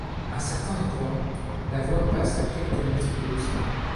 À certains endroits, la voie passe à quelques mètres de l'océan.